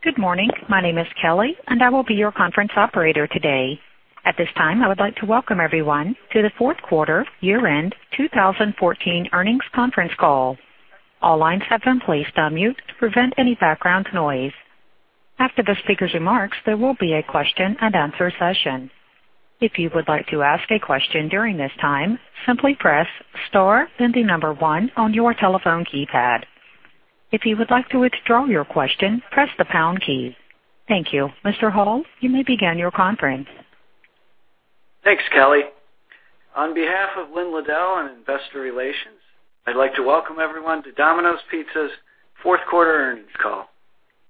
Good morning. My name is Kelly, and I will be your conference operator today. At this time, I would like to welcome everyone to the fourth quarter year-end 2014 earnings conference call. All lines have been placed on mute to prevent any background noise. After the speaker's remarks, there will be a question and answer session. If you would like to ask a question during this time, simply press star, then 1 on your telephone keypad. If you would like to withdraw your question, press the pound key. Thank you. Mr. Hall, you may begin your conference. Thanks, Kelly. On behalf of Lynn Liddle on investor relations, I'd like to welcome everyone to Domino's Pizza's fourth quarter earnings call.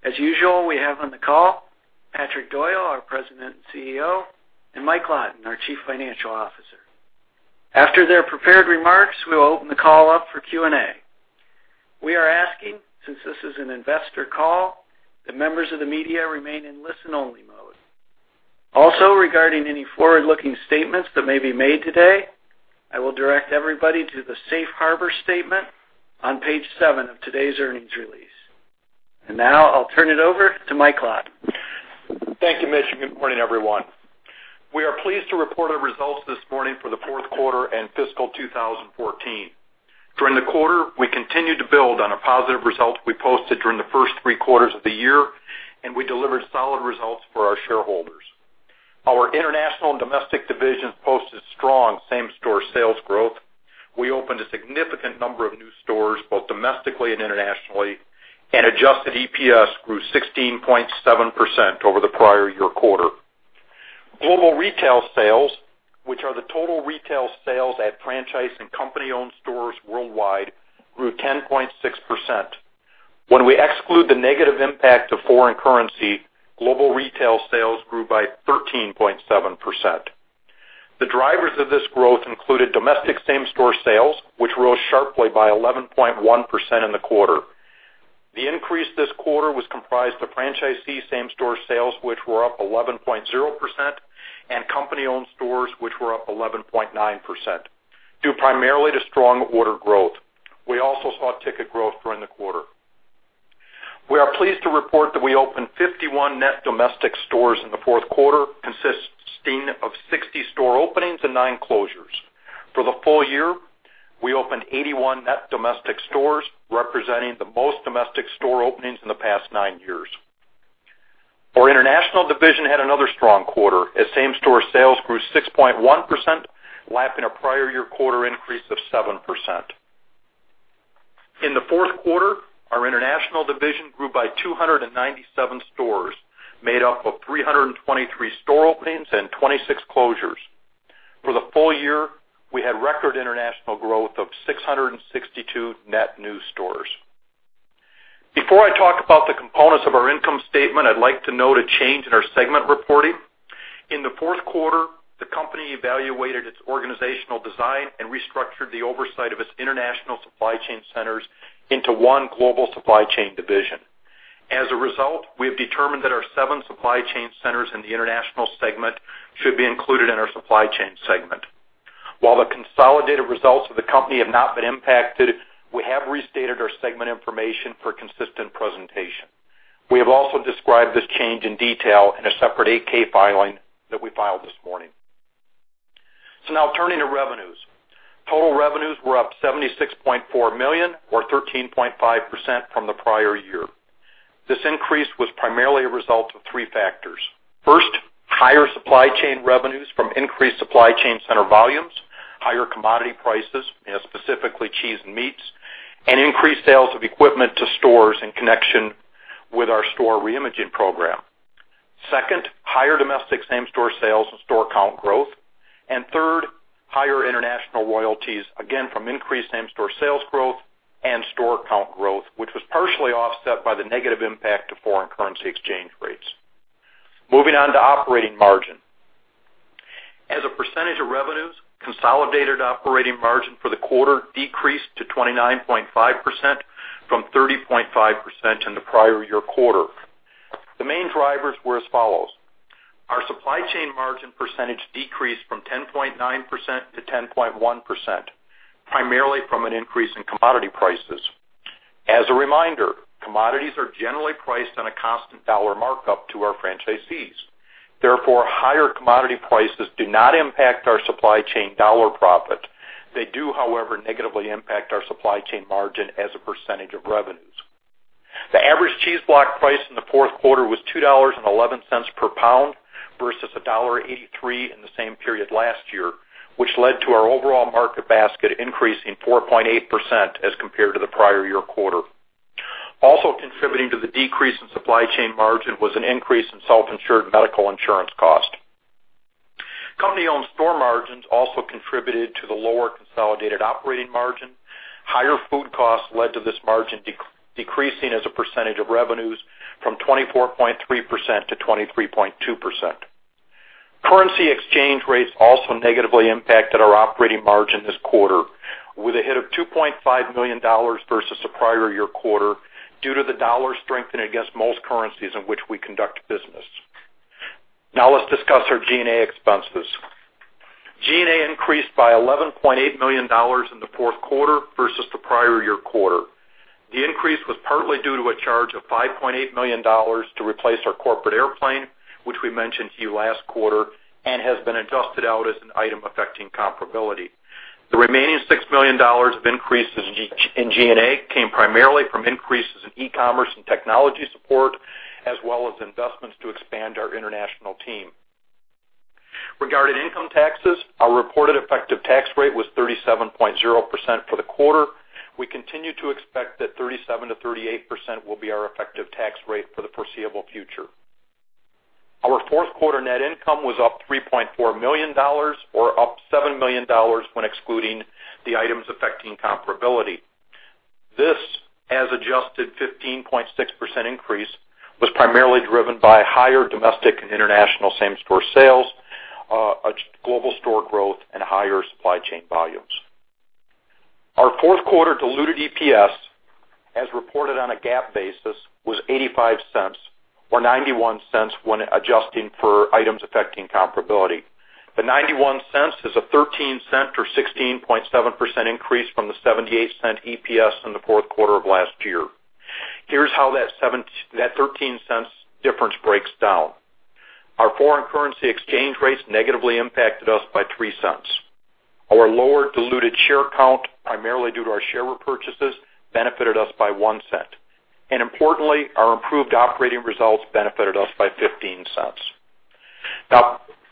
As usual, we have on the call Patrick Doyle, our President and CEO, and Mike Lawton, our Chief Financial Officer. After their prepared remarks, we will open the call up for Q&A. We are asking, since this is an investor call, that members of the media remain in listen-only mode. Also, regarding any forward-looking statements that may be made today, I will direct everybody to the safe harbor statement on page seven of today's earnings release. Now I'll turn it over to Mike Lawton. Thank you, Mitch. Good morning, everyone. We are pleased to report our results this morning for the fourth quarter and fiscal 2014. During the quarter, we continued to build on a positive result we posted during the first three quarters of the year. We delivered solid results for our shareholders. Our international and domestic divisions posted strong same-store sales growth. We opened a significant number of new stores, both domestically and internationally, and adjusted EPS grew 16.7% over the prior year quarter. Global retail sales, which are the total retail sales at franchise and company-owned stores worldwide, grew 10.6%. When we exclude the negative impact of foreign currency, global retail sales grew by 13.7%. The drivers of this growth included domestic same-store sales, which rose sharply by 11.1% in the quarter. The increase this quarter was comprised of franchisee same-store sales, which were up 11.0%, and company-owned stores, which were up 11.9%, due primarily to strong order growth. We also saw ticket growth during the quarter. We are pleased to report that we opened 51 net domestic stores in the fourth quarter, consisting of 60 store openings and nine closures. For the full year, we opened 81 net domestic stores, representing the most domestic store openings in the past nine years. Our international division had another strong quarter, as same-store sales grew 6.1%, lapping a prior year quarter increase of seven percent. In the fourth quarter, our international division grew by 297 stores, made up of 323 store openings and 26 closures. For the full year, we had record international growth of 662 net new stores. Before I talk about the components of our income statement, I'd like to note a change in our segment reporting. In the fourth quarter, the company evaluated its organizational design and restructured the oversight of its international supply chain centers into one global supply chain division. As a result, we have determined that our seven supply chain centers in the international segment should be included in our supply chain segment. While the consolidated results of the company have not been impacted, we have restated our segment information for consistent presentation. We have also described this change in detail in a separate 8-K filing that we filed this morning. Now turning to revenues. Total revenues were up $76.4 million or 13.5% from the prior year. This increase was primarily a result of three factors. First, higher supply chain revenues from increased supply chain center volumes, higher commodity prices, specifically cheese and meats, and increased sales of equipment to stores in connection with our store reimaging program. Second, higher domestic same-store sales and store count growth. Third, higher international royalties, again from increased same-store sales growth and store count growth, which was partially offset by the negative impact of foreign currency exchange rates. Moving on to operating margin. As a percentage of revenues, consolidated operating margin for the quarter decreased to 29.5% from 30.5% in the prior year quarter. The main drivers were as follows. Our supply chain margin percentage decreased from 10.9% to 10.1%, primarily from an increase in commodity prices. As a reminder, commodities are generally priced on a constant dollar markup to our franchisees. Therefore, higher commodity prices do not impact our supply chain dollar profit. They do, however, negatively impact our supply chain margin as a percentage of revenues. The average cheese block price in the fourth quarter was $2.11 per pound versus $1.83 in the same period last year, which led to our overall market basket increasing 4.8% as compared to the prior year quarter. Also contributing to the decrease in supply chain margin was an increase in self-insured medical insurance cost. Company-owned store margins also contributed to the lower consolidated operating margin. Higher food costs led to this margin decreasing as a percentage of revenues from 24.3% to 23.2%. Currency exchange rates also negatively impacted our operating margin this quarter with a hit of $2.5 million versus the prior year quarter due to the dollar strengthening against most currencies in which we conduct business. Now let's discuss our G&A expenses. G&A increased by $11.8 million in the fourth quarter versus the prior year quarter. The increase was partly due to a charge of $5.8 million to replace our corporate airplane, which we mentioned to you last quarter, and has been adjusted out as an item affecting comparability. The remaining $6 million of increases in G&A came primarily from increases in e-commerce and technology support, as well as investments to expand our international team. Regarding income taxes, our reported effective tax rate was 37.0% for the quarter. We continue to expect that 37%-38% will be our effective tax rate for the foreseeable future. Our fourth quarter net income was up $3.4 million, or up $7 million when excluding the items affecting comparability. This as-adjusted 15.6% increase was primarily driven by higher domestic and international same-store sales, global store growth, and higher supply chain volumes. Our fourth quarter diluted EPS, as reported on a GAAP basis, was $0.85 or $0.91 when adjusting for items affecting comparability. The $0.91 is a $0.13 or 16.7% increase from the $0.78 EPS in the fourth quarter of last year. Here's how that $0.13 difference breaks down. Our foreign currency exchange rates negatively impacted us by $0.03. Our lower diluted share count, primarily due to our share repurchases, benefited us by $0.01, and importantly, our improved operating results benefited us by $0.15.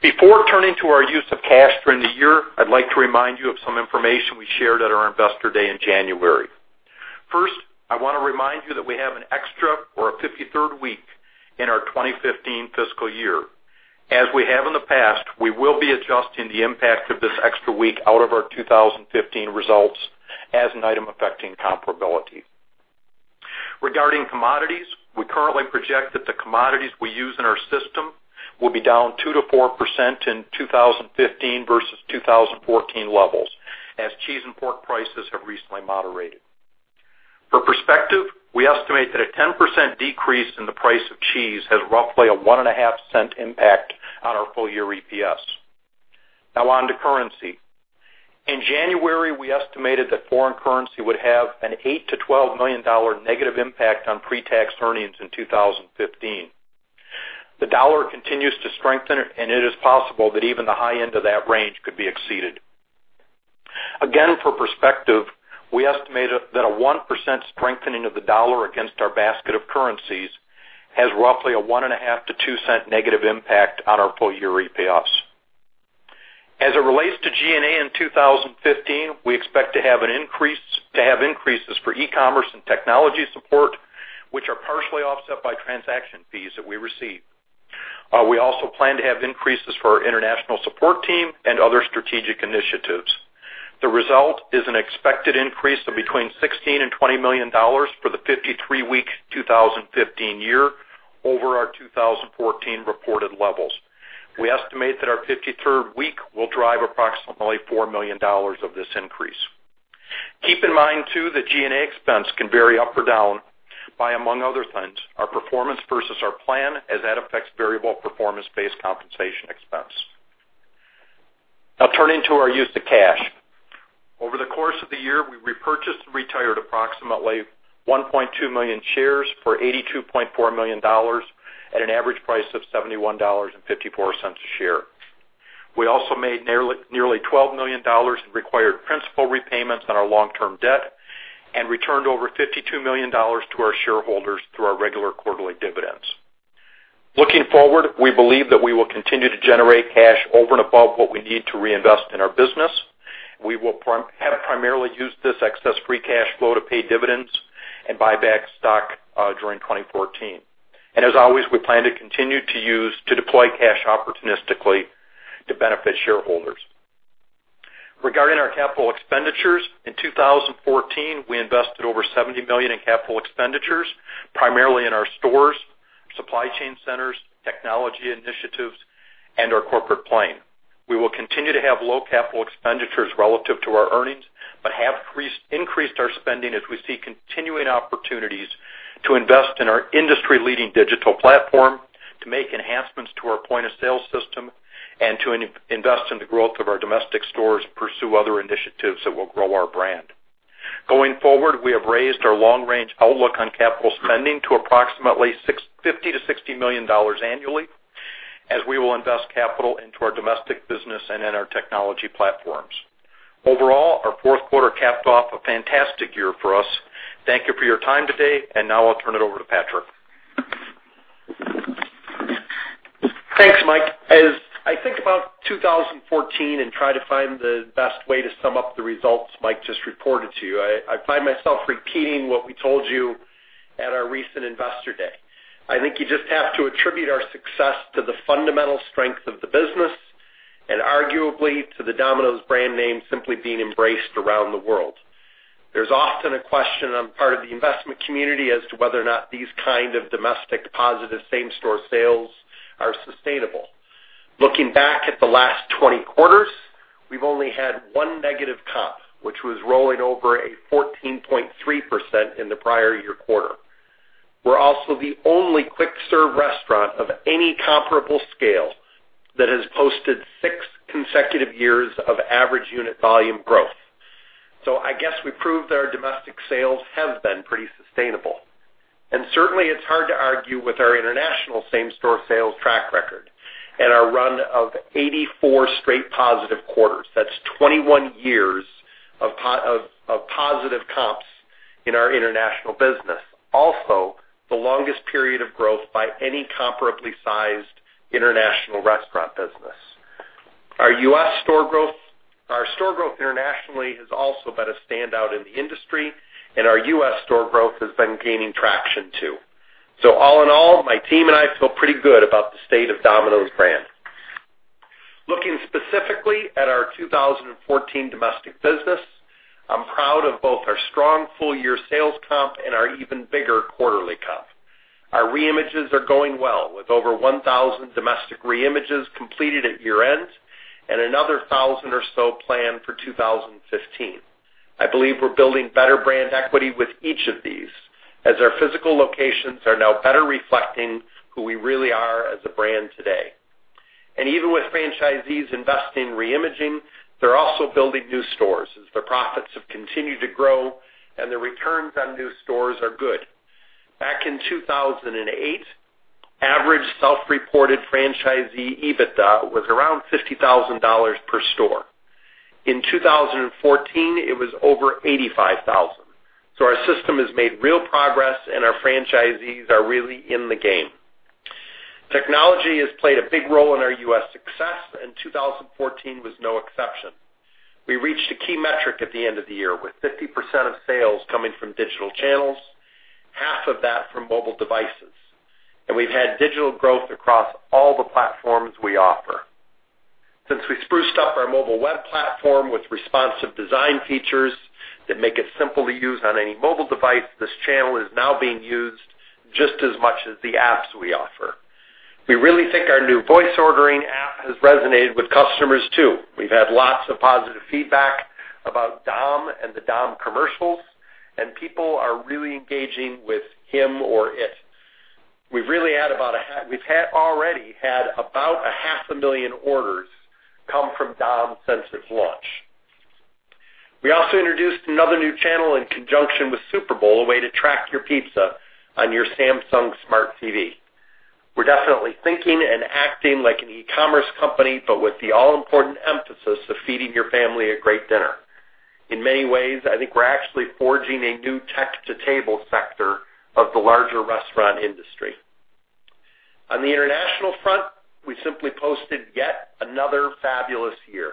Before turning to our use of cash during the year, I'd like to remind you of some information we shared at our Investor Day in January. I want to remind you that we have an extra or a 53rd week in our 2015 fiscal year. As we have in the past, we will be adjusting the impact of this extra week out of our 2015 results as an item affecting comparability. Regarding commodities, we currently project that the commodities we use in our system will be down 2%-4% in 2015 versus 2014 levels, as cheese and pork prices have recently moderated. For perspective, we estimate that a 10% decrease in the price of cheese has roughly a $0.015 impact on our full-year EPS. On to currency. In January, we estimated that foreign currency would have an $8 million-$12 million negative impact on pre-tax earnings in 2015. The dollar continues to strengthen, and it is possible that even the high end of that range could be exceeded. For perspective, we estimate that a 1% strengthening of the dollar against our basket of currencies has roughly a $0.015-$0.02 negative impact on our full-year EPS. As it relates to G&A in 2015, we expect to have increases for e-commerce and technology support, which are partially offset by transaction fees that we receive. We also plan to have increases for our international support team and other strategic initiatives. The result is an expected increase of between $16 million and $20 million for the 53-week 2015 year over our 2014 reported levels. We estimate that our 53rd week will drive approximately $4 million of this increase. Keep in mind too, that G&A expense can vary up or down by, among other things, our performance versus our plan, as that affects variable performance-based compensation expense. Turning to our use of cash. Over the course of the year, we repurchased and retired approximately 1.2 million shares for $82.4 million at an average price of $71.54 a share. We also made nearly $12 million in required principal repayments on our long-term debt and returned over $52 million to our shareholders through our regular quarterly dividends. Looking forward, we believe that we will continue to generate cash over and above what we need to reinvest in our business. We have primarily used this excess free cash flow to pay dividends and buy back stock during 2014. As always, we plan to continue to deploy cash opportunistically to benefit shareholders. Regarding our capital expenditures, in 2014, we invested over $70 million in capital expenditures, primarily in our stores, supply chain centers, technology initiatives, and our corporate plane. We will continue to have low capital expenditures relative to our earnings, but have increased our spending as we see continuing opportunities to invest in our industry-leading digital platform, to make enhancements to our point-of-sale system, and to invest in the growth of our domestic stores and pursue other initiatives that will grow our brand. Going forward, we have raised our long-range outlook on capital spending to approximately $50 million-$60 million annually as we will invest capital into our domestic business and in our technology platforms. Overall, our fourth quarter capped off a fantastic year for us. Thank you for your time today, and now I'll turn it over to Patrick. Thanks, Mike. As I think about 2014 and try to find the best way to sum up the results Mike just reported to you, I find myself repeating what we told you at our recent Investor Day. I think you just have to attribute our success to the fundamental strength of the business and arguably to the Domino's brand name simply being embraced around the world. There's often a question on part of the investment community as to whether or not these kind of domestic positive same-store sales are sustainable. Looking back at the last 20 quarters, we've only had one negative comp, which was rolling over a 14.3% in the prior year quarter. We're also the only quick-serve restaurant of any comparable scale that has posted six consecutive years of average unit volume growth. I guess we proved that our domestic sales have been pretty sustainable. Certainly, it's hard to argue with our international same-store sales track record and our run of 84 straight positive quarters. That's 21 years of positive comps in our international business. Also, the longest period of growth by any comparably sized international restaurant business. Our store growth internationally has also been a standout in the industry, and our U.S. store growth has been gaining traction too. All in all, my team and I feel pretty good about the state of Domino's brand. Looking specifically at our 2014 domestic business, I'm proud of both our strong full-year sales comp and our even bigger quarterly comp. Our re-images are going well, with over 1,000 domestic re-images completed at year-end and another 1,000 or so planned for 2015. I believe we're building better brand equity with each of these, as our physical locations are now better reflecting who we really are as a brand today. Even with franchisees investing in re-imaging, they're also building new stores as their profits have continued to grow and their returns on new stores are good. Back in 2008, average self-reported franchisee EBITDA was around $50,000 per store. In 2014, it was over $85,000. Our system has made real progress, and our franchisees are really in the game. Technology has played a big role in our U.S. success, and 2014 was no exception. We reached a key metric at the end of the year, with 50% of sales coming from digital channels, half of that from mobile devices. We've had digital growth across all the platforms we offer. Since we spruced up our mobile web platform with responsive design features that make it simple to use on any mobile device, this channel is now being used just as much as the apps we offer. We really think our new voice ordering app has resonated with customers, too. We've had lots of positive feedback about Dom and the Dom commercials, and people are really engaging with him or it. We've already had about a half a million orders come from Dom since its launch. We also introduced another new channel in conjunction with Super Bowl, a way to track your pizza on your Samsung Smart TV. We're definitely thinking and acting like an e-commerce company, but with the all-important emphasis of feeding your family a great dinner. In many ways, I think we're actually forging a new tech-to-table sector of the larger restaurant industry. On the international front, we simply posted yet another fabulous year.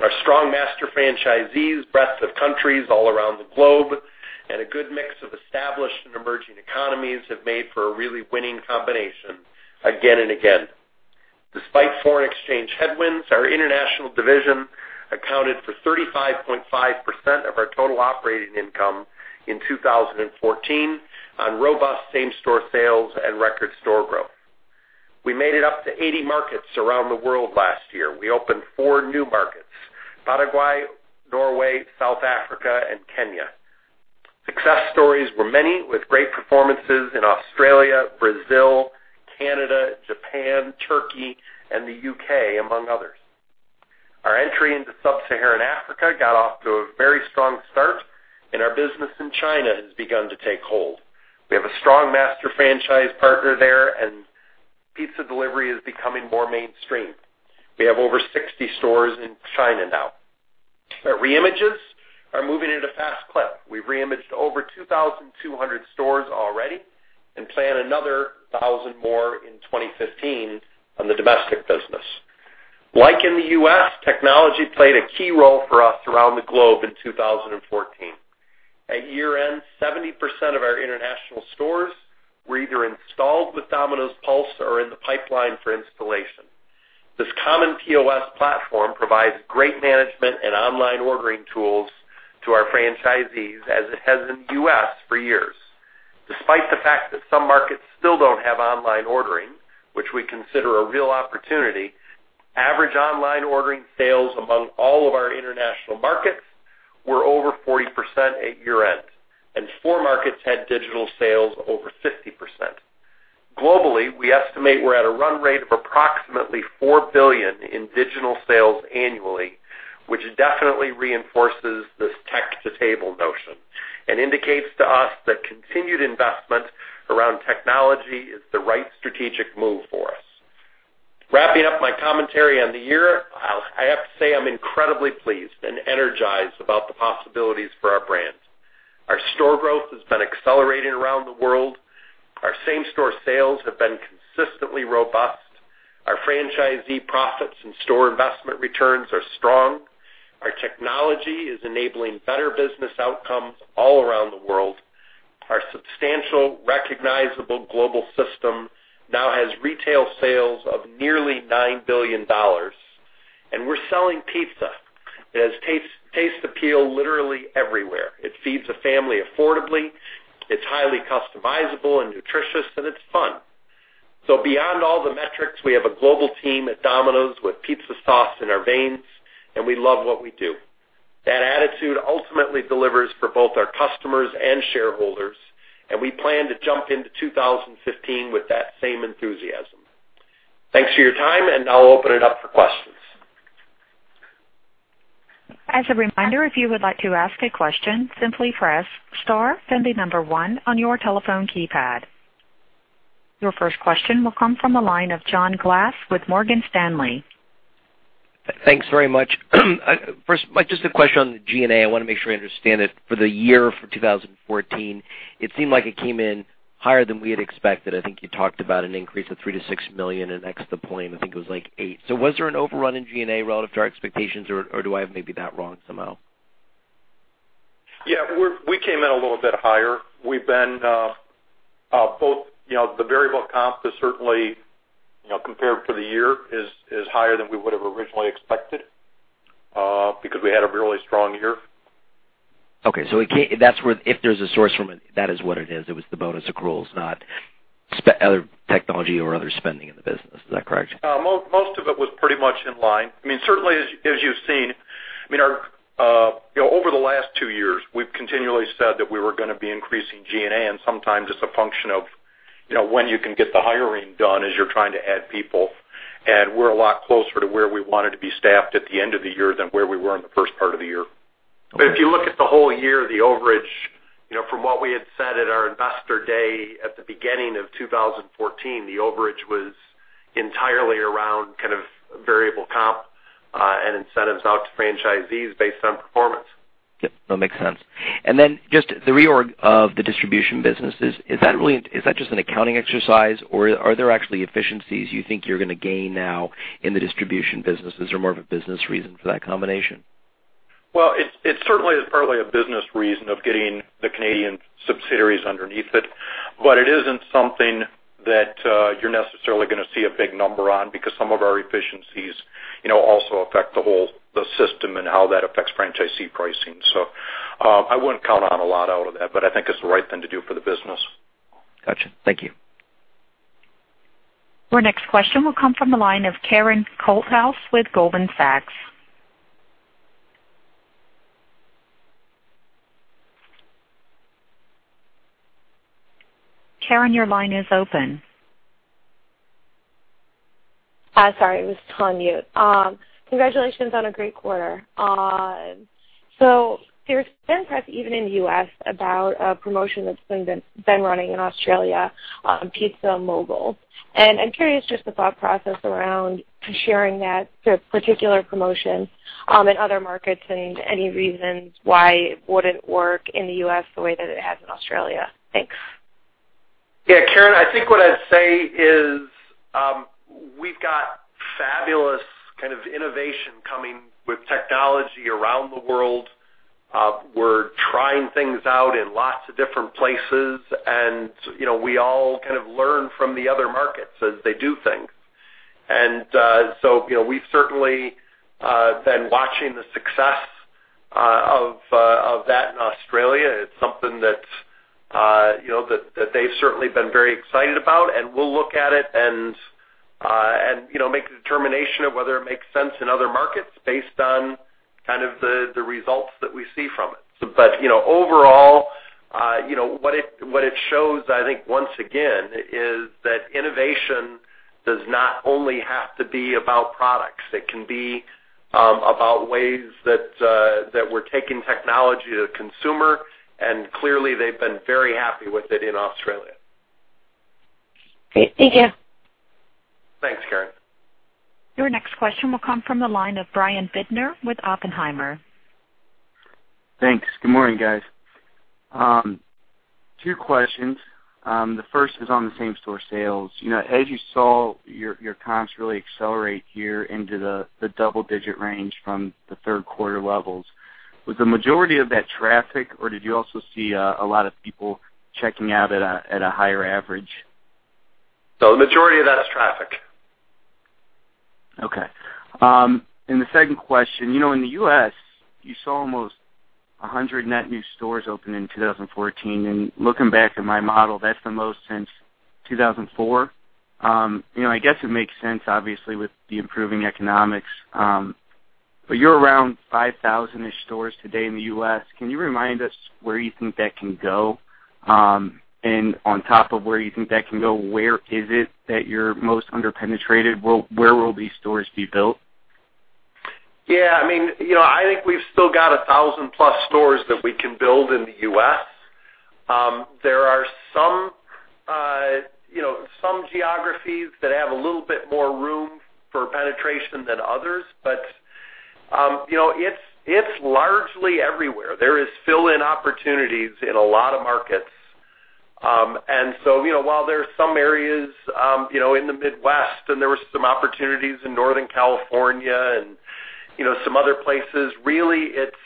Our strong master franchisees, breadth of countries all around the globe, and a good mix of established and emerging economies have made for a really winning combination again and again. Despite foreign exchange headwinds, our international division accounted for 35.5% of our total operating income in 2014 on robust same-store sales and record store growth. We made it up to 80 markets around the world last year. We opened four new markets: Paraguay, Norway, South Africa, and Kenya. Success stories were many with great performances in Australia, Brazil, Canada, Japan, Turkey, and the U.K., among others. Our entry into Sub-Saharan Africa got off to a very strong start, and our business in China has begun to take hold. We have a strong master franchise partner there, and pizza delivery is becoming more mainstream. We have over 60 stores in China now. Our re-images are moving at a fast clip. We've re-imaged over 2,200 stores already and plan another 1,000 more in 2015 on the domestic business. Like in the U.S., technology played a key role for us around the globe in 2014. At year-end, 70% of our international stores were either installed with Domino's Pulse or in the pipeline for installation. This common POS platform provides great management and online ordering tools to our franchisees, as it has in the U.S. for years. Despite the fact that some markets still don't have online ordering, which we consider a real opportunity, average online ordering sales among all of our international markets were over 40% at year-end, and four markets had digital sales over 50%. Globally, we estimate we're at a run rate of approximately $4 billion in digital sales annually, which definitely reinforces this tech-to-table notion and indicates to us that continued investment around technology is the right strategic move for us. Wrapping up my commentary on the year, I have to say I'm incredibly pleased and energized about the possibilities for our brand. Our store growth has been accelerating around the world. Our same-store sales have been consistently robust. Our franchisee profits and store investment returns are strong. Our technology is enabling better business outcomes all around the world. Our substantial, recognizable global system now has retail sales of nearly $9 billion. We're selling pizza. It has taste appeal literally everywhere. It feeds a family affordably, it's highly customizable and nutritious, and it's fun. Beyond all the metrics, we have a global team at Domino's with pizza sauce in our veins, and we love what we do. That attitude ultimately delivers for both our customers and shareholders. We plan to jump into 2015 with that same enthusiasm. Thanks for your time. I'll open it up for questions. As a reminder, if you would like to ask a question, simply press star, then the number 1 on your telephone keypad. Your first question will come from the line of John Glass with Morgan Stanley. Thanks very much. First, just a question on the G&A. I want to make sure I understand it. For the year for 2014, it seemed like it came in higher than we had expected. I think you talked about an increase of $3 million to $6 million and ex the plane, I think it was like $8. Was there an overrun in G&A relative to our expectations or do I have maybe that wrong somehow? Yeah. We came in a little bit higher. The variable comp is certainly, compared for the year, is higher than we would have originally expected, because we had a really strong year. Okay. If there's a source from it, that is what it is. It was the bonus accruals, not other technology or other spending in the business. Is that correct? Most of it was pretty much in line. As you've seen, over the last two years, we've continually said that we were going to be increasing G&A, and sometimes it's a function of when you can get the hiring done as you're trying to add people. We're a lot closer to where we wanted to be staffed at the end of the year than where we were in the first part of the year. If you look at the whole year, the overage from what we had said at our Investor Day at the beginning of 2014, the overage was entirely around variable comp, and incentives out to franchisees based on performance. Yep. No, makes sense. Just the reorg of the distribution businesses, is that just an accounting exercise or are there actually efficiencies you think you're going to gain now in the distribution businesses or more of a business reason for that combination? Well, it certainly is partly a business reason of getting the Canadian subsidiaries underneath it. It isn't something that you're necessarily going to see a big number on because some of our efficiencies also affect the system and how that affects franchisee pricing. I wouldn't count on a lot out of that, but I think it's the right thing to do for the business. Got you. Thank you. Our next question will come from the line of Karen Holthouse with Goldman Sachs. Karen, your line is open. Sorry, it was still on mute. Congratulations on a great quarter. There's been press even in the U.S. about a promotion that's been running in Australia on Pizza Mogul. I'm curious just the thought process around sharing that particular promotion, in other markets and any reasons why it wouldn't work in the U.S. the way that it has in Australia. Thanks. Karen, I think what I'd say is, we've got fabulous kind of innovation coming with technology around the world. We're trying things out in lots of different places, and we all kind of learn from the other markets as they do things. We've certainly been watching the success of that in Australia. It's something that they've certainly been very excited about, and we'll look at it and make a determination of whether it makes sense in other markets based on the results that we see from it. Overall, what it shows, I think once again, is that innovation does not only have to be about products. It can be about ways that we're taking technology to the consumer, and clearly, they've been very happy with it in Australia. Great. Thank you. Thanks, Karen. Your next question will come from the line of Brian Bittner with Oppenheimer. Thanks. Good morning, guys. Two questions. The first is on the same-store sales. As you saw your comps really accelerate here into the double-digit range from the third quarter levels, was the majority of that traffic, or did you also see a lot of people checking out at a higher average? The majority of that is traffic. Okay. The second question. In the U.S., you saw almost 100 net new stores open in 2014, and looking back at my model, that's the most since 2004. I guess it makes sense, obviously, with the improving economics, but you're around 5,000-ish stores today in the U.S. Can you remind us where you think that can go? On top of where you think that can go, where is it that you're most under-penetrated? Where will these stores be built? Yeah. I think we've still got 1,000-plus stores that we can build in the U.S. There are some geographies that have a little bit more room for penetration than others, but it's largely everywhere. There is fill-in opportunities in a lot of markets. While there are some areas in the Midwest and there were some opportunities in Northern California and some other places, really it's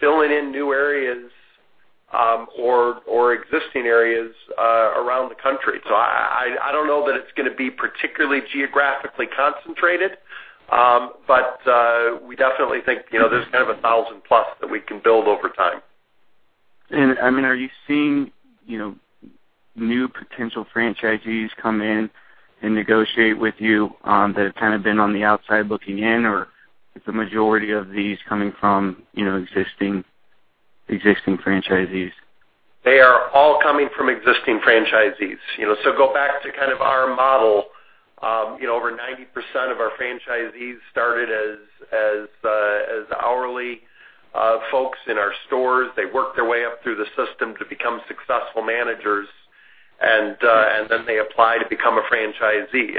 filling in new areas Existing areas around the country. I don't know that it's going to be particularly geographically concentrated. We definitely think there's kind of 1,000-plus that we can build over time. Are you seeing new potential franchisees come in and negotiate with you that have kind of been on the outside looking in, or is the majority of these coming from existing franchisees? They are all coming from existing franchisees. Go back to kind of our model. Over 90% of our franchisees started as hourly folks in our stores. They worked their way up through the system to become successful managers, then they apply to become a franchisee.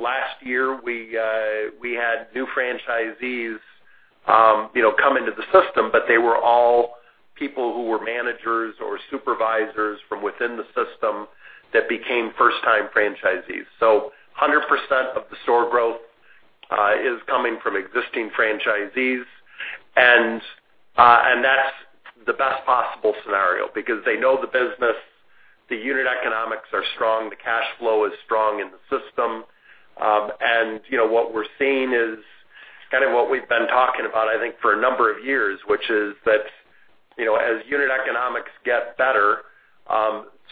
Last year, we had new franchisees come into the system, but they were all people who were managers or supervisors from within the system that became first-time franchisees. 100% of the store growth is coming from existing franchisees. That's the best possible scenario because they know the business, the unit economics are strong, the cash flow is strong in the system. What we're seeing is kind of what we've been talking about, I think, for a number of years, which is that, as unit economics get better,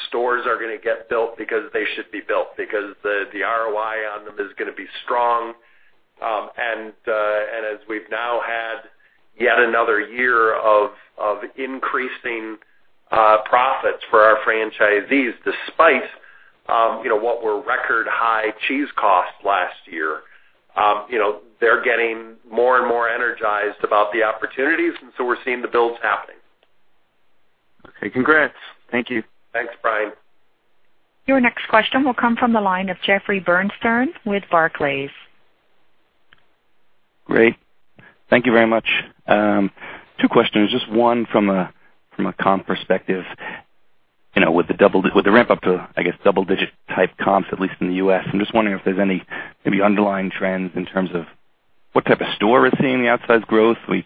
stores are going to get built because they should be built because the ROI on them is going to be strong. As we've now had yet another year of increasing profits for our franchisees, despite what were record-high cheese costs last year, they're getting more and more energized about the opportunities, we're seeing the builds happening. Okay, congrats. Thank you. Thanks, Brian. Your next question will come from the line of Jeffrey Bernstein with Barclays. Great. Thank you very much. Two questions. Just one from a comp perspective. With the ramp up to, I guess, double-digit type comps, at least in the U.S., I'm just wondering if there's any maybe underlying trends in terms of what type of store is seeing the outsized growth. We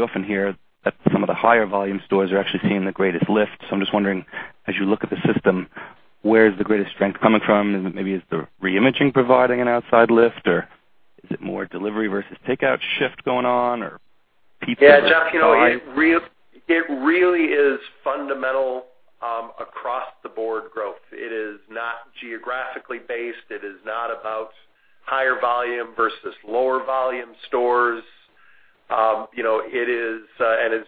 often hear that some of the higher volume stores are actually seeing the greatest lift. I'm just wondering, as you look at the system, where is the greatest strength coming from? And maybe is the re-imaging providing an outside lift, or is it more delivery versus takeout shift going on? Yeah, Jeff, it really is fundamental across-the-board growth. It is not geographically based. It is not about higher volume versus lower volume stores. As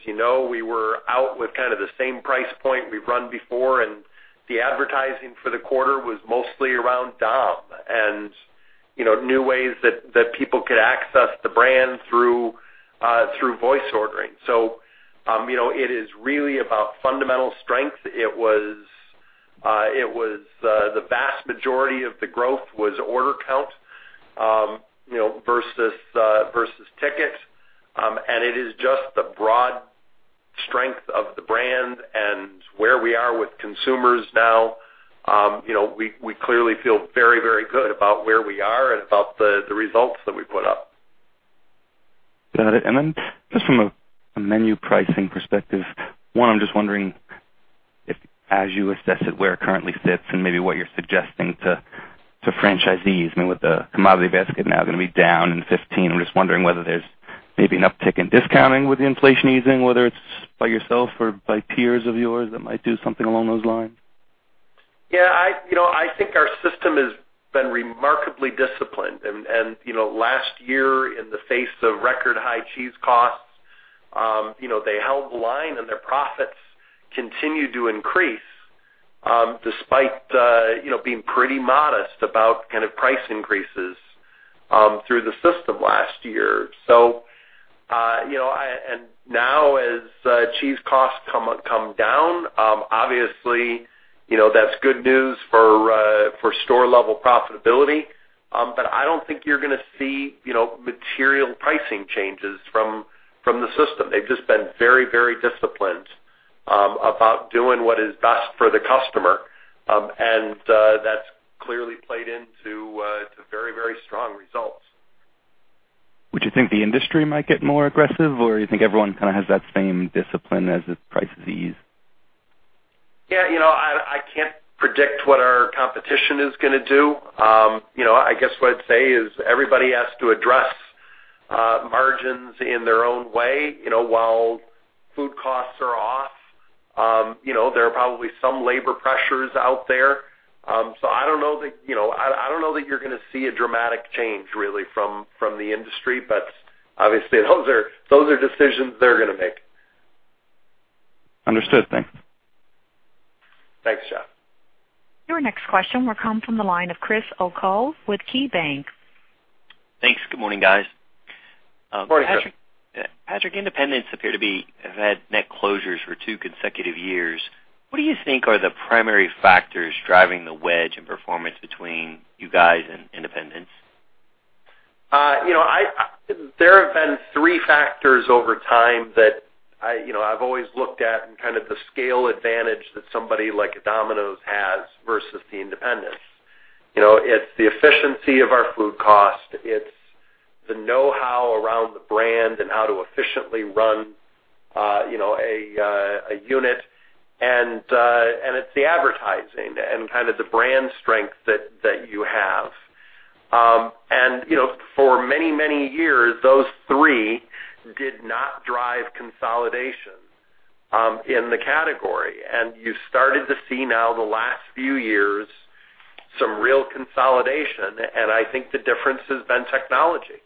you know, we were out with kind of the same price point we've run before, and the advertising for the quarter was mostly around Dom and new ways that people could access the brand through voice ordering. It is really about fundamental strength. The vast majority of the growth was order count versus ticket. It is just the broad strength of the brand and where we are with consumers now. We clearly feel very, very good about where we are and about the results that we put up. Got it. Just from a menu pricing perspective, one, I'm just wondering if, as you assess it, where it currently sits and maybe what you're suggesting to franchisees, I mean, with the commodity basket now going to be down in 2015, I'm just wondering whether there's maybe an uptick in discounting with the inflation easing, whether it's by yourself or by peers of yours that might do something along those lines. Yeah. I think our system has been remarkably disciplined. Last year, in the face of record-high cheese costs, they held the line, and their profits continued to increase, despite being pretty modest about kind of price increases through the system last year. As cheese costs come down, obviously, that's good news for store-level profitability. I don't think you're going to see material pricing changes from the system. They've just been very disciplined about doing what is best for the customer. That's clearly played into very strong results. Would you think the industry might get more aggressive, or you think everyone kind of has that same discipline as the prices ease? Yeah, I can't predict what our competition is going to do. I guess what I'd say is everybody has to address margins in their own way. While food costs are off, there are probably some labor pressures out there. I don't know that you're going to see a dramatic change really from the industry, but obviously those are decisions they're going to make. Understood. Thanks. Thanks, Jeff. Your next question will come from the line of Chris O'Cull with KeyBanc. Thanks. Good morning, guys. Morning, Chris. Patrick, independents appear to have had net closures for two consecutive years. What do you think are the primary factors driving the wedge in performance between you guys and independents? There have been three factors over time that I've always looked at and kind of the scale advantage that somebody like a Domino's has versus the independents. It's the efficiency of our food cost, it's the know-how around the brand and how to efficiently run a unit. It's the advertising and the brand strength that you have. For many years, those three did not drive consolidation in the category. You started to see now the last few years, some real consolidation, and I think the difference has been technology.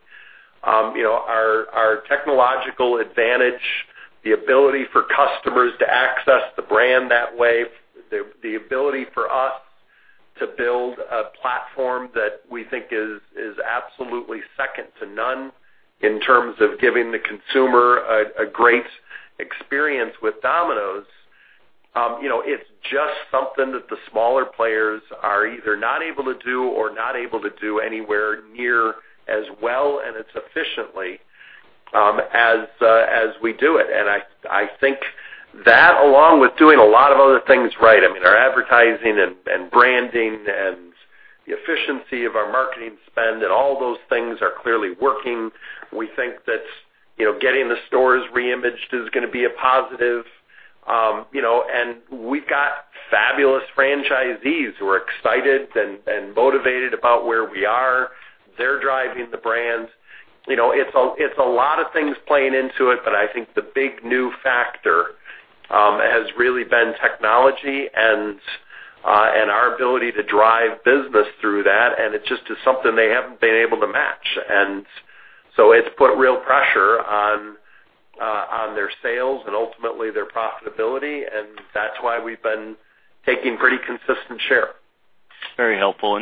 Our technological advantage, the ability for customers to access the brand that way, the ability for us to build a platform that we think is absolutely second to none in terms of giving the consumer a great experience with Domino's. It's just something that the smaller players are either not able to do or not able to do anywhere near as well and as efficiently as we do it. I think that along with doing a lot of other things right, I mean, our advertising and branding and the efficiency of our marketing spend and all those things are clearly working. We think that getting the stores re-imaged is going to be a positive. We've got fabulous franchisees who are excited and motivated about where we are. They're driving the brands. It's a lot of things playing into it, but I think the big new factor has really been technology and our ability to drive business through that, and it's just something they haven't been able to match. It's put real pressure on their sales and ultimately their profitability, and that's why we've been taking pretty consistent share. Very helpful.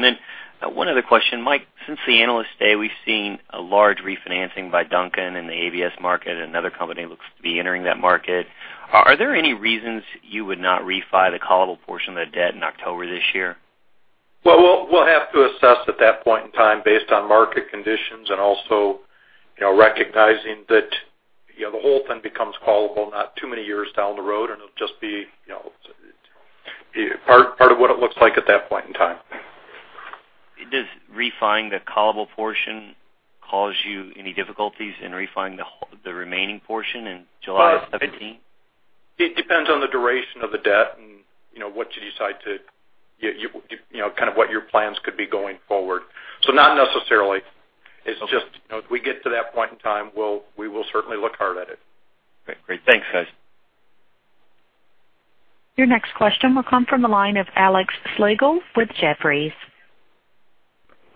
One other question, Mike. Since the Analyst Day, we've seen a large refinancing by Dunkin' in the ABS market, another company looks to be entering that market. Are there any reasons you would not refi the callable portion of the debt in October this year? We'll have to assess at that point in time based on market conditions and also recognizing that the whole thing becomes callable not too many years down the road, and it'll just be part of what it looks like at that point in time. Does refinancing the callable portion cause you any difficulties in refinancing the remaining portion in July of 2017? It depends on the duration of the debt and what your plans could be going forward. Not necessarily. Okay. It's just, if we get to that point in time, we will certainly look hard at it. Great. Thanks, guys. Your next question will come from the line of Alexander Slagle with Jefferies.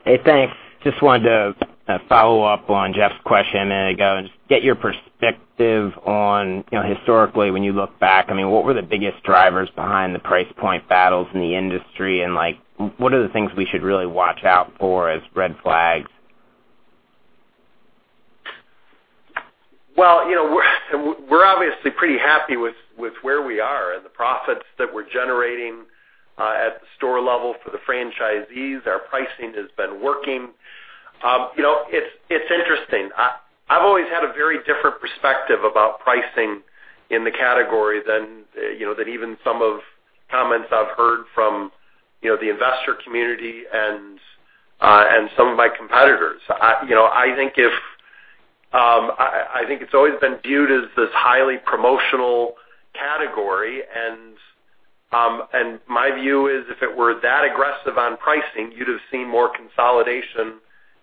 Hey, thanks. Just wanted to follow up on Jeff's question a minute ago and just get your perspective on historically when you look back, I mean, what were the biggest drivers behind the price point battles in the industry and what are the things we should really watch out for as red flags? Well, we're obviously pretty happy with where we are and the profits that we're generating at the store level for the franchisees. Our pricing has been working. It's interesting. I've always had a very different perspective about pricing in the category than even some of the comments I've heard from the investor community and some of my competitors. I think it's always been viewed as this highly promotional category, and my view is if it were that aggressive on pricing, you'd have seen more consolidation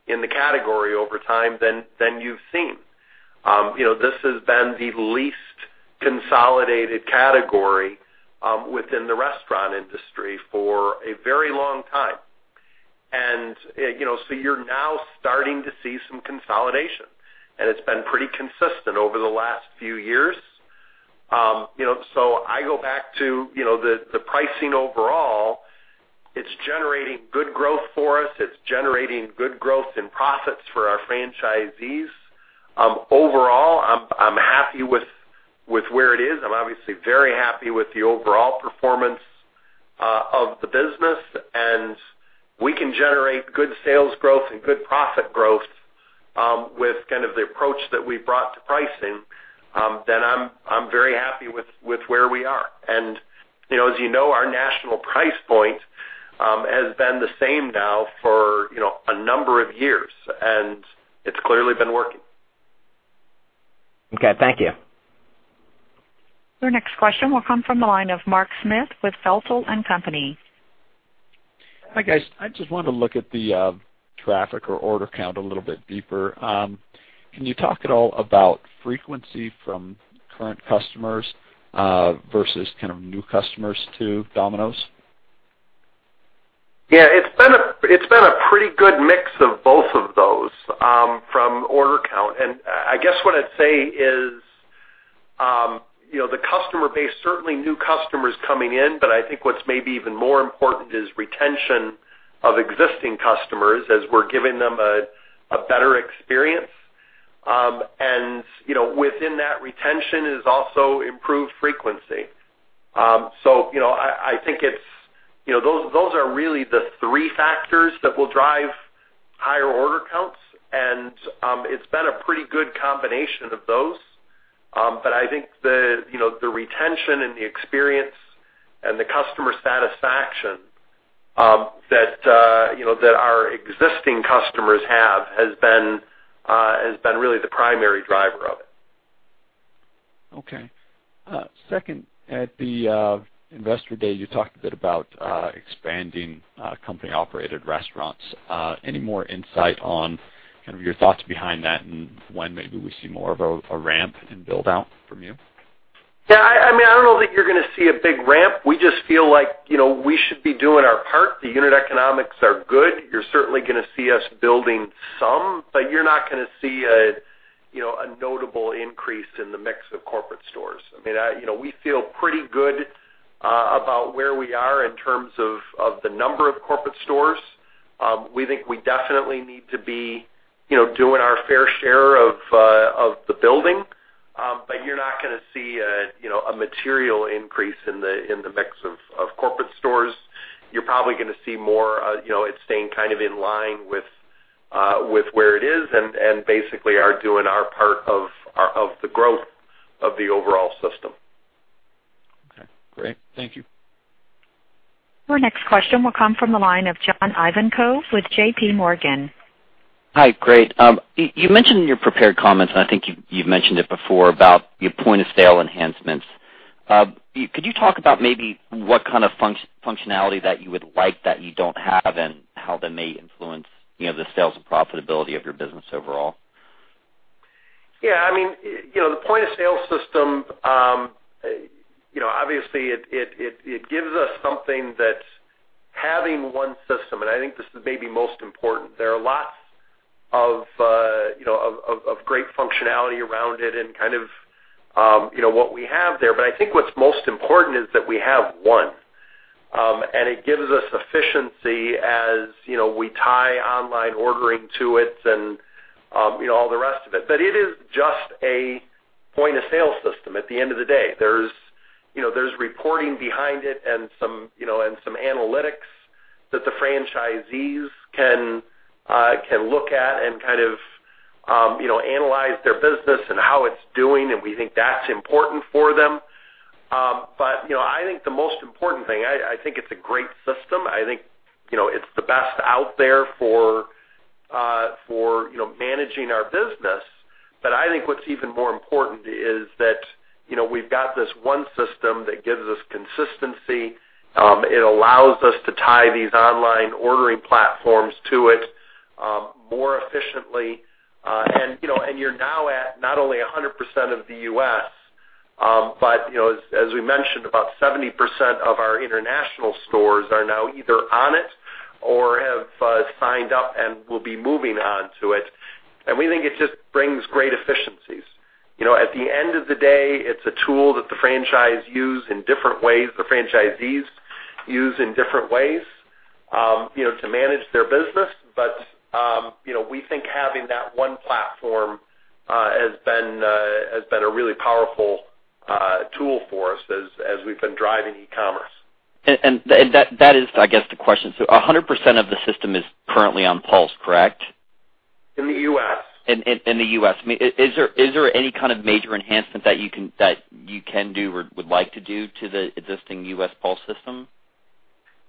in the category over time than you've seen. This has been the least consolidated category within the restaurant industry for a very long time. You're now starting to see some consolidation, and it's been pretty consistent over the last few years. I go back to the pricing overall. It's generating good growth for us. It's generating good growth in profits for our franchisees. Overall, I'm happy with where it is. I'm obviously very happy with the overall performance of the business. We can generate good sales growth and good profit growth with the approach that we've brought to pricing, then I'm very happy with where we are. As you know, our national price point has been the same now for a number of years, and it's clearly been working. Okay. Thank you. Your next question will come from the line of Mark Smith with Feltl and Company. Hi, guys. I just wanted to look at the traffic or order count a little bit deeper. Can you talk at all about frequency from current customers versus new customers to Domino's? Yeah, it's been a pretty good mix of both of those from order count. I guess what I'd say is the customer base, certainly new customers coming in, but I think what's maybe even more important is retention of existing customers as we're giving them a better experience. Within that retention is also improved frequency. I think those are really the three factors that will drive higher order counts, and it's been a pretty good combination of those. I think the retention and the experience and the customer satisfaction that our existing customers have has been really the primary driver of it. Okay. Second, at the investor day, you talked a bit about expanding company-operated restaurants. Any more insight on your thoughts behind that and when maybe we see more of a ramp and build-out from you? Yeah. I don't know that you're going to see a big ramp. We just feel like we should be doing our part. The unit economics are good. You're certainly going to see us building some, but you're not going to see a notable increase in the mix of corporate stores. We feel pretty good about where we are in terms of the number of corporate stores. We think we definitely need to be doing our fair share of the building. You're not going to see a material increase in the mix of corporate stores. You're probably going to see more, it staying in line with where it is, and basically are doing our part of the growth of the overall system. Okay, great. Thank you. Your next question will come from the line of John Ivankoe with J.P. Morgan. Hi. Great. You mentioned in your prepared comments, and I think you've mentioned it before, about your point of sale enhancements. Could you talk about maybe what kind of functionality that you would like that you don't have and how that may influence the sales and profitability of your business overall? Yeah. The point of sale system, obviously, it gives us something that having one system, and I think this is maybe most important, there are lots of great functionality around it and what we have there. I think what's most important is that we have one. It gives us efficiency as we tie online ordering to it and all the rest of it. It is just a point of sale system at the end of the day. There's reporting behind it and some analytics that the franchisees can look at and analyze their business and how it's doing, and we think that's important for them. I think the most important thing, I think it's a great system. I think it's the best out there for managing our business. I think what's even more important is that we've got this one system that gives us consistency. It allows us to tie these online ordering platforms to it more efficiently. You're now at not only 100% of the U.S., but as we mentioned, about 70% of our international stores are now either on it or have signed up and will be moving on to it. We think it just brings great efficiencies. At the end of the day, it's a tool that the franchise use in different ways, the franchisees use in different ways to manage their business. We think having that one platform has been a really powerful tool for us as we've been driving e-commerce. That is, I guess, the question. 100% of the system is currently on Pulse, correct? In the U.S. In the U.S. Is there any kind of major enhancement that you can do or would like to do to the existing U.S. Pulse system?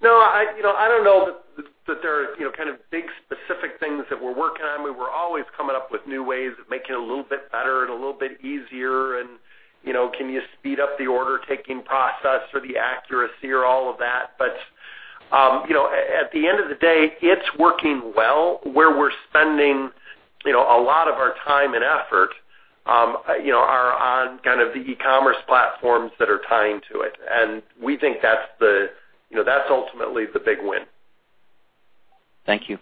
No. I don't know that there are big specific things that we're working on, but we're always coming up with new ways of making it a little bit better and a little bit easier, and can you speed up the order taking process or the accuracy or all of that. But at the end of the day, it's working well. Where we're spending a lot of our time and effort are on the e-commerce platforms that are tying to it. We think that's ultimately the big win. Thank you.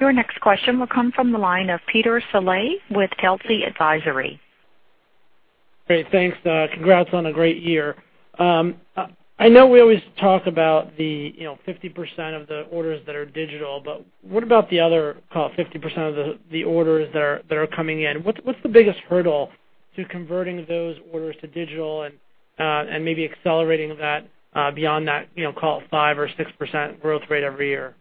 Your next question will come from the line of Peter Saleh with Telsey Advisory Group. Great, thanks. Congrats on a great year. I know we always talk about the 50% of the orders that are digital. What about the other, call it 50% of the orders that are coming in? What's the biggest hurdle to converting those orders to digital and maybe accelerating that beyond that, call it 5% or 6% growth rate every year?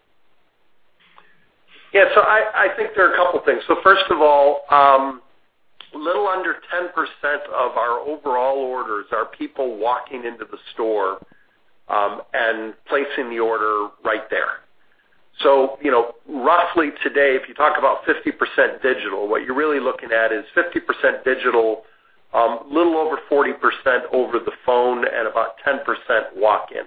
Yeah. I think there are a couple things. First of all, a little under 10% of our overall orders are people walking into the store and placing the order right there. Roughly today, if you talk about 50% digital, what you're really looking at is 50% digital, a little over 40% over the phone, and about 10% walk-in.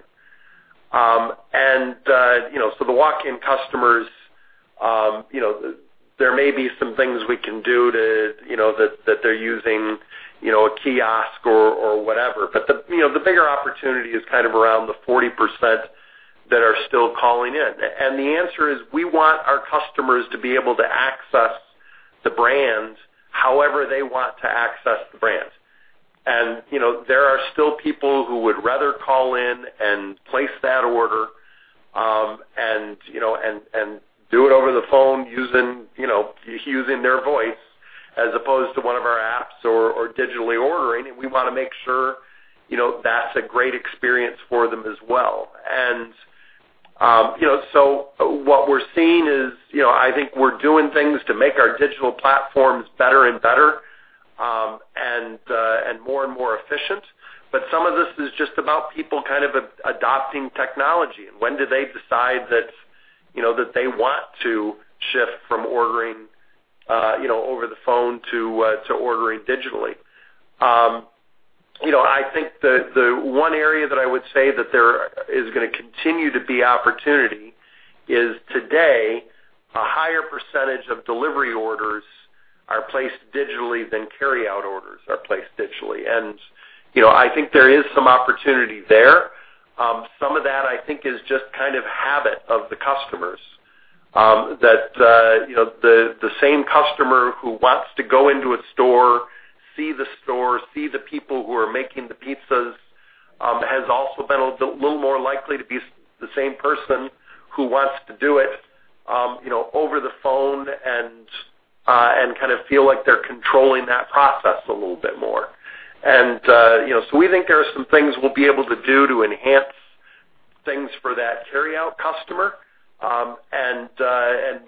The walk-in customers, there may be some things we can do that they're using a kiosk or whatever. The bigger opportunity is around the 40% that are still calling in. The answer is, we want our customers to be able to access the brands however they want to access the brands. There are still people who would rather call in and place that order and do it over the phone using their voice as opposed to one of our apps or digitally ordering. We want to make sure that's a great experience for them as well. What we're seeing is I think we're doing things to make our digital platforms better and better and more and more efficient. Some of this is just about people kind of adopting technology, and when do they decide that they want to shift from ordering over the phone to ordering digitally. I think the one area that I would say that there is going to continue to be opportunity is today, a higher percentage of delivery orders are placed digitally than carryout orders are placed digitally. I think there is some opportunity there. Some of that, I think, is just habit of the customers. That the same customer who wants to go into a store, see the store, see the people who are making the pizzas, has also been a little more likely to be the same person who wants to do it over the phone and kind of feel like they're controlling that process a little bit more. We think there are some things we'll be able to do to enhance things for that carryout customer.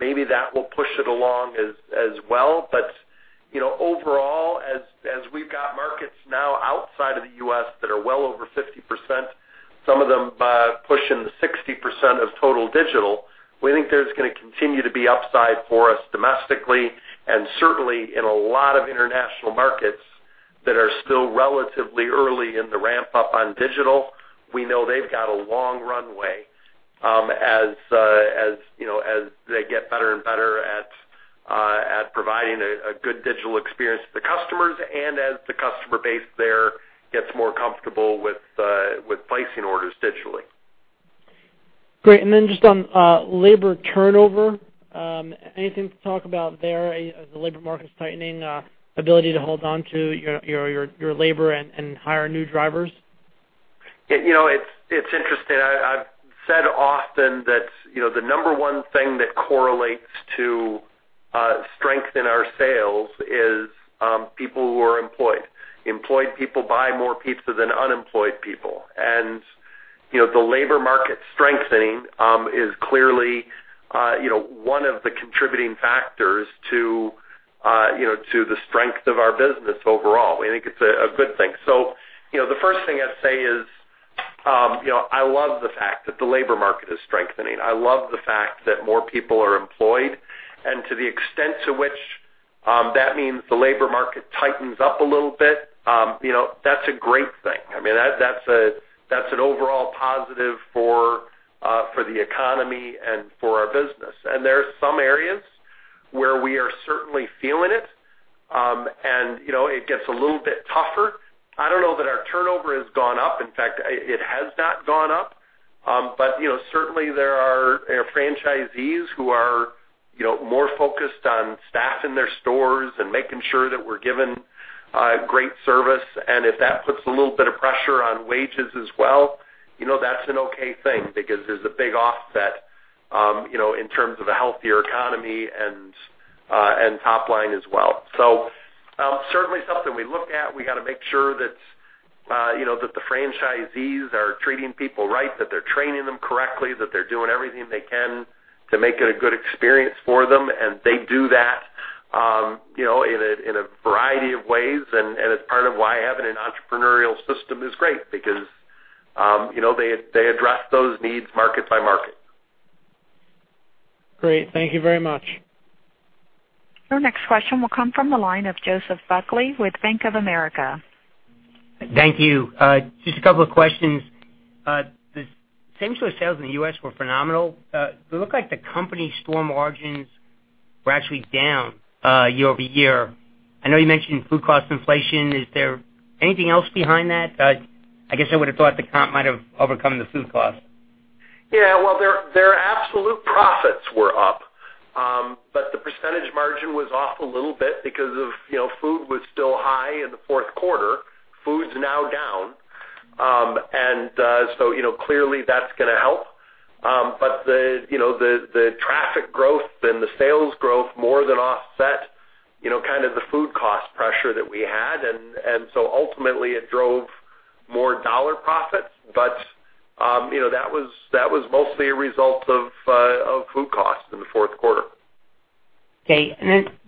Maybe that will push it along as well. Overall, as we've got markets now outside of the U.S. that are well over 50%, some of them pushing 60% of total digital, we think there's going to continue to be upside for us domestically and certainly in a lot of international markets that are still relatively early in the ramp-up on digital. We know they've got a long runway as they get better and better at providing a good digital experience to the customers and as the customer base there gets more comfortable with placing orders digitally. Great. Then just on labor turnover, anything to talk about there as the labor market's tightening, ability to hold on to your labor and hire new drivers? It's interesting. I've said often that the number one thing that correlates to strength in our sales is people who are employed. Employed people buy more pizza than unemployed people. The labor market strengthening is clearly one of the contributing factors to the strength of our business overall. We think it's a good thing. The first thing I'd say is, I love the fact that the labor market is strengthening. I love the fact that more people are employed, and to the extent to which that means the labor market tightens up a little bit, that's a great thing. That's an overall positive for the economy and for our business. There are some areas where we are certainly feeling it, and it gets a little bit tougher. I don't know that our turnover has gone up. In fact, it has not gone up. Certainly, there are franchisees who are more focused on staffing their stores and making sure that we're given great service, and if that puts a little bit of pressure on wages as well, that's an okay thing because there's a big offset in terms of a healthier economy and top line as well. Certainly something we looked at. We got to make sure that the franchisees are treating people right, that they're training them correctly, that they're doing everything they can to make it a good experience for them, and they do that in a variety of ways, and it's part of why having an entrepreneurial system is great, because they address those needs market by market. Great. Thank you very much. Your next question will come from the line of Joseph Buckley with Bank of America. Thank you. Just a couple of questions. The same-store sales in the U.S. were phenomenal. It looked like the company store margins were actually down year-over-year. I know you mentioned food cost inflation. Is there anything else behind that? I guess I would have thought the comp might have overcome the food cost. Yeah. Well, their absolute profits were up. The percentage margin was off a little bit because of food was still high in the fourth quarter. Food's now down. Clearly that's going to help. The traffic growth and the sales growth more than offset kind of the food cost pressure that we had. Ultimately, it drove more dollar profits. That was mostly a result of food cost in the fourth quarter. Okay.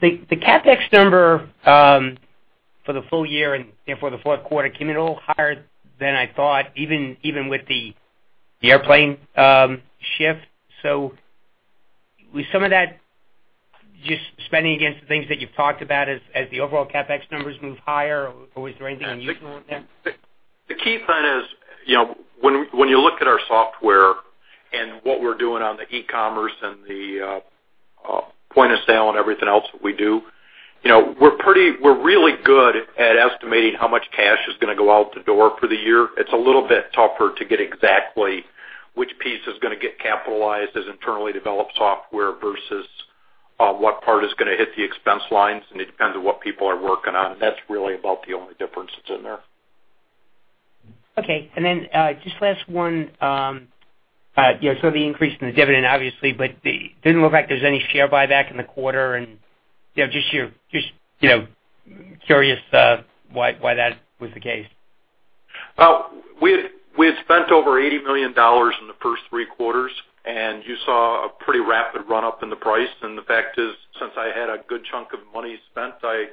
The CapEx number for the full year and therefore the fourth quarter came in a little higher than I thought, even with the airplane shift. Was some of that just spending against the things that you've talked about as the overall CapEx numbers move higher? Or was there anything unusual with that? The key thing is when you look at our software and what we're doing on the e-commerce and the point-of-sale and everything else that we do, we're really good at estimating how much cash is going to go out the door for the year. It's a little bit tougher to get exactly which piece is going to get capitalized as internally developed software versus what part is going to hit the expense lines, it depends on what people are working on, that's really about the only difference that's in there. Okay. Just last one. The increase in the dividend, obviously, it didn't look like there's any share buyback in the quarter. Just curious why that was the case. We had spent over $80 million in the first three quarters, you saw a pretty rapid run-up in the price. The fact is, since I had a good chunk of money spent, I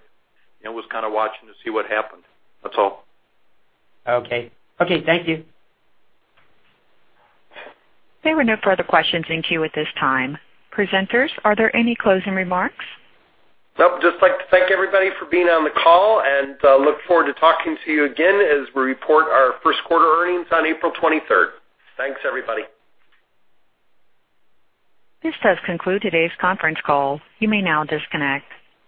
was kind of watching to see what happened. That's all. Okay. Thank you. There were no further questions in queue at this time. Presenters, are there any closing remarks? Nope. Just like to thank everybody for being on the call, and look forward to talking to you again as we report our first quarter earnings on April 23rd. Thanks, everybody. This does conclude today's conference call. You may now disconnect.